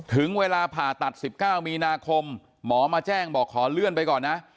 ถึงเวลาผ่าตัด๑๙มีนาคมหมอมาแจ้งบอกขอเลื่อนไปก่อนนะ